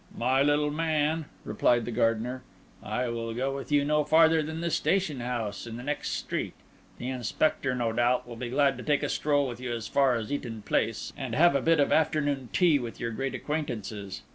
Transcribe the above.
"My little man," replied the gardener, "I will go with you no farther than the station house in the next street. The inspector, no doubt, will be glad to take a stroll with you as far as Eaton Place, and have a bit of afternoon tea with your great acquaintances.